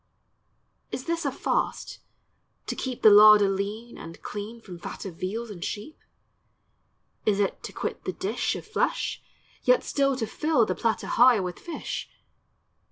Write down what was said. Is this a fast, to keep The larder lean, And clean From fat of veals and sheep? Is it to quit the dish Of flesh, yet still To fill The platter high with fish?